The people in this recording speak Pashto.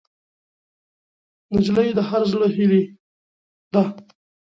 نجلۍ د هر زړه هیلې ده.